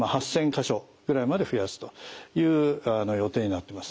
か所ぐらいまで増やすという予定になってます。